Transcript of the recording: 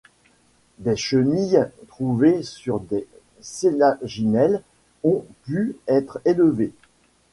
Des chenilles trouvées sur des sélaginelles ont pu être élevées.